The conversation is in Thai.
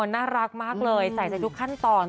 น่ารักมากเลยใส่ใจทุกขั้นตอน